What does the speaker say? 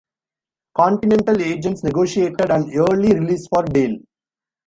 Continental agents negotiated an early release for Dale.